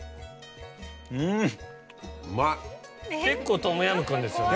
結構トムヤムクンですよね。